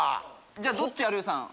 じゃあどっち有吉さん。